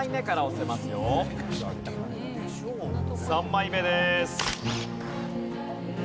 ３枚目です。